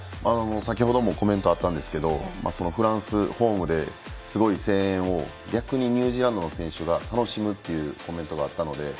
先程もコメントがあったんですがフランスホームでのすごい声援を逆にニュージーランドの選手が楽しむというコメントがあったので。